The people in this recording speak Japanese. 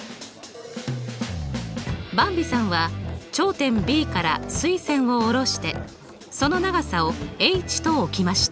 ばんびさんは頂点Ｂから垂線を下ろしてその長さをｈと置きました。